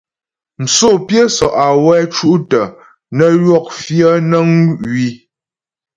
Msǒ pyə́ sɔ’ awɛ ́ cú’ tə́ nə ywɔk fyə̌ nəŋ wii.